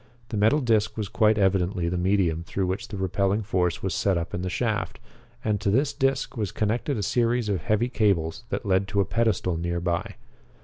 The metal disc was quite evidently the medium through which the repelling force was set up in the shaft, and to this disc was connected a series of heavy cables that led to a pedestal nearby.